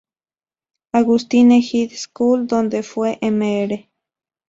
Augustine High School, donde fue Mr.